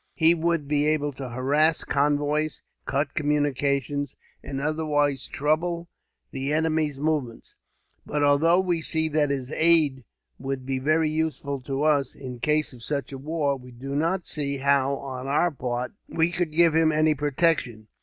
He would be able to harass convoys, cut communications, and otherwise trouble the enemy's movements. But, although we see that his aid would be very useful to us, in case of such a war; we do not see how, on our part, we could give him any protection.